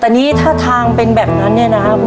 แต่นี่ถ้าทางเป็นแบบนั้นเนี่ยนะครับ